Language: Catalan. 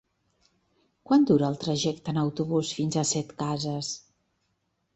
Quant dura el trajecte en autobús fins a Setcases?